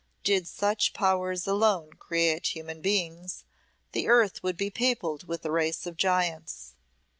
Did such powers alone create human beings, the earth would be peopled with a race of giants.